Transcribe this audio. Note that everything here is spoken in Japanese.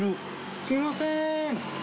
すいません。